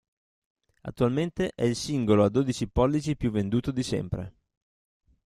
Attualmente è il singolo a dodici pollici più venduto di sempre.